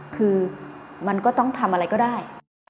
คือมันก็ต้องทำอะไรก็ได้